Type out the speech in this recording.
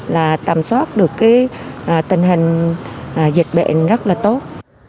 là tạm soát được tình hình dịch bệnh rất là tốt